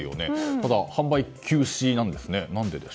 ただ、販売休止なんですね。